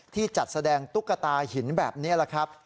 จัดแสดงตุ๊กตาหินแบบนี้แหละครับ